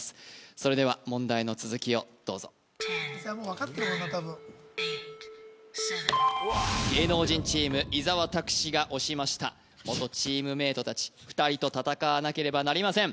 それでは問題の続きをどうぞ芸能人チーム伊沢拓司が押しました元チームメイト達２人と戦わなければなりません